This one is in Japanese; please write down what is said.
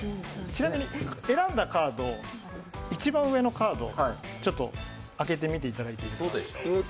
ちなみに選んだカード、一番上のカード、ちょっと開けてみていただけますか？